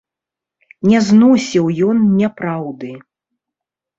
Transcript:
Не зносіў ён няпраўды.